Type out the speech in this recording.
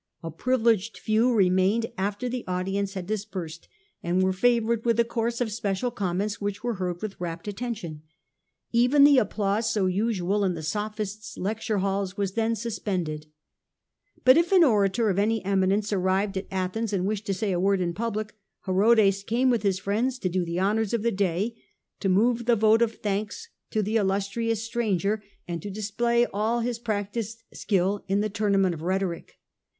A privileged few remained after the audience had dis persed, and were favoured with a course of special com ments which were heard with rapt attention. Even the applause so usual in the Sophists* lecture halls was then suspended. But if an orator of any eminence arrived at Athens and wished to say a word in public, Herodes came w'ith his friends to do the honours of the day, to move the vote of thanks to the illustrious stranger, and CH. VIII. The Literary Currents of the Age, 187 to display all his practised skill in the tournament of rhetoric.